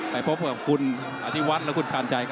ไปพบกับคุณอธิวัฒน์และคุณพันธ์ใจครับ